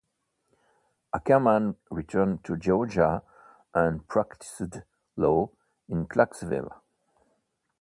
Akerman returned to Georgia and practiced law in Clarksville.